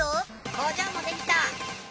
工場もできた！